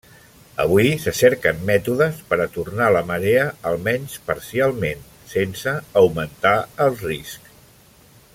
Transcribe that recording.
Avui se cerquen mètodes per a tornar la marea almenys parcialment, sense augmentar els riscs.